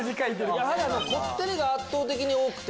やはりこってりが圧倒的に多くて。